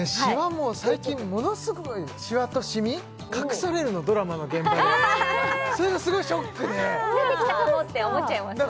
もう最近ものすごいシワとシミ隠されるのドラマの現場でそれがすごいショックで増えてきたかもって思っちゃいますよね